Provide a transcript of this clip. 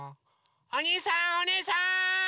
おにいさんおねえさん！